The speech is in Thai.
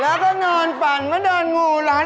แล้วก็นอนฝันมานอนงูหลัน